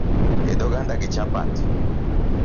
Ted oganda gi chapat.